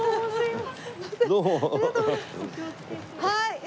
はい！